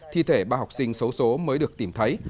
thi thể ba học sinh xấu số mới được tìm thấy